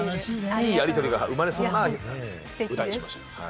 いいやり取りが生まれそうな歌にしました。